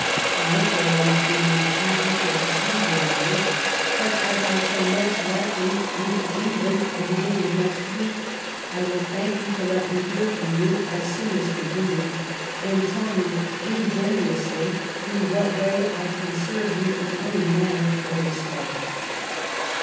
I shall always be most happy to receive your letters; but as I shall most likely leave England the beginning of next week, I will thank you to let me hear from you as soon as con venient, and toll me ingenuously in what way I can serve you in any manner or respect.